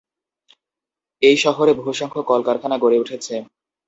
এই শহরে বহুসংখ্যক কলকারখানা গড়ে উঠেছে।